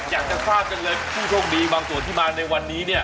อยากจะฟาดจังเลยผู้โชคดีบางตัวที่มาในวันนี้